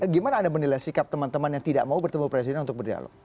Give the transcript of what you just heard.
gimana anda menilai sikap teman teman yang tidak mau bertemu presiden untuk berdialog